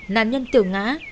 nạn nhân tưởng ngã